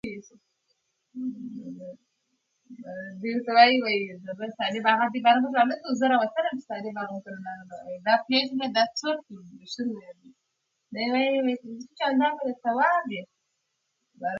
که ماشوم لوبې ونه کړي، ټولنیزه پوهه یې محدوده کېږي.